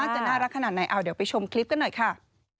จะน่ารักขนาดไหนเอาเดี๋ยวไปชมคลิปกันหน่อยค่ะ